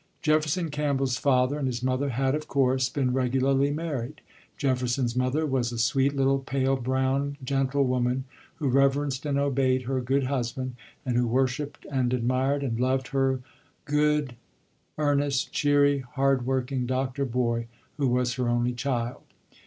Jefferson Campbell's father and his mother had of course been regularly married. Jefferson's mother was a sweet, little, pale brown, gentle woman who reverenced and obeyed her good husband, and who worshipped and admired and loved hard her good, earnest, cheery, hard working doctor boy who was her only child.